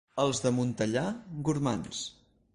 Els de Montellà, gormands.